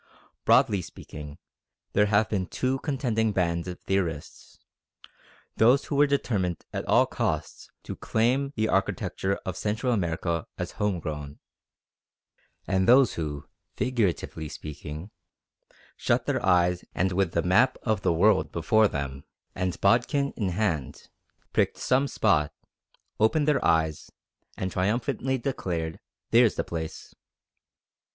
Broadly speaking, there have been two contending bands of theorists: those who were determined at all costs to claim the architecture of Central America as home grown; and those who, figuratively speaking, shut their eyes and with a map of the world before them and bodkin in hand, pricked some spot, opened their eyes, and triumphantly declared "There's the place."